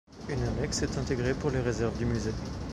Une annexe est intégrée pour les réserves du musée.